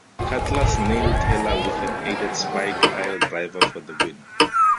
Cutlers nailed Taylor with an aided spike piledriver for the win.